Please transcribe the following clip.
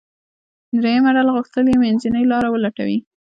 درېیمه ډله غوښتل یې منځنۍ لاره ولټوي.